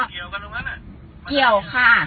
ไม่เกี่ยวกันด้วยมั้ย